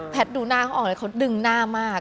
พัดดูหน้าเขาออกดึงหน้ามาก